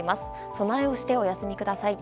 備えをしてお休みください。